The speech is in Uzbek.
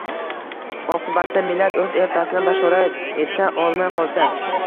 oqibatda millat o‘z ertasini bashorat eta olmay qolsa